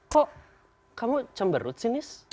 kok kamu cemberut sih nis